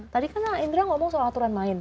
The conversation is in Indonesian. tadi kan al indra ngomong soal aturan lain